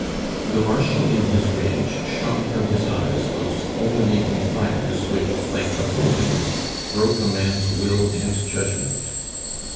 The Marshal in his rage shot from his eyes those fulminating fires which, like Napoleon's, broke a man's will and judgment.